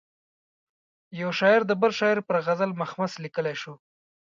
یو شاعر د بل شاعر پر غزل مخمس لیکلای شو.